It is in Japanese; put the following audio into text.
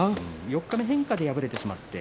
四日目は変化で敗れてしまって。